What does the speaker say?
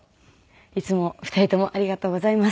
いつも２人ともありがとうございます。